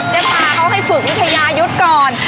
ตาเขาให้ฝึกวิทยายุทธ์ก่อน